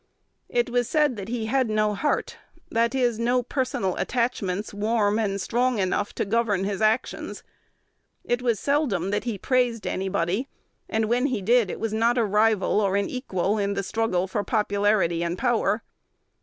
It was said that "he had no heart;" that is, no personal attachments warm and strong enough to govern his actions. It was seldom that he praised anybody; and, when he did, it was not a rival or an equal in the struggle for popularity and power.